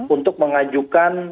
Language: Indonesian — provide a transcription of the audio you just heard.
untuk mengajukan mekarik